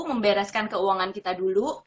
membereskan keuangan kita dulu